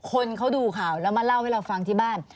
คนเขาดูข่าวแล้วมาเล่าให้เราฟังที่บ้าน